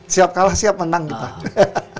siap kalah siap menang gitu